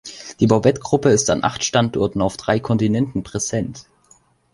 Die Borbet-Gruppe ist an acht Standorten auf drei Kontinenten präsent.